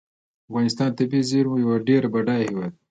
افغانستان د طبیعي زیرمو یو ډیر بډایه هیواد دی.